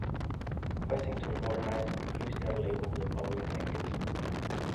Hoisington modernized and grew steadily over the following decades.